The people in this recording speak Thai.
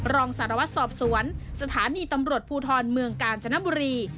รองสารวัตรสอบสวนสถานีตำรวจภูทรเมืองกาญจนบุรี